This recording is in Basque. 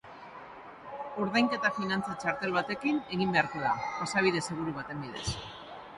Ordainketa finantza-txartel batekin egin beharko da, pasabide seguru baten bidez.